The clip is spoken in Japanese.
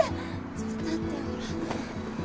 ちょっと立ってよほら。